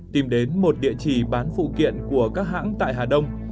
tìm đến một địa chỉ bán phụ kiện của các hãng tại hà đông